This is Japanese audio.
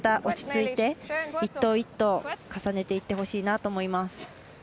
落ち着いて、一投一投重ねていってほしいなと思います。